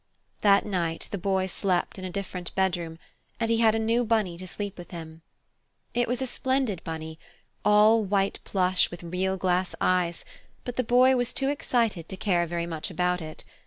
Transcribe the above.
That night the Boy slept in a different bedroom, and he had a new bunny to sleep with him. It was a splendid bunny, all white plush with real glass eyes, but the Boy was too excited to care very much about it.